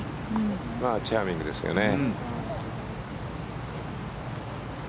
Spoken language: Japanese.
チャーミングですよね。